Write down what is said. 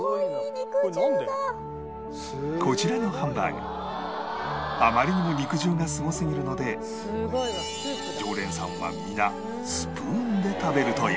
こちらのハンバーグあまりにも肉汁がすごすぎるので常連さんは皆スプーンで食べるという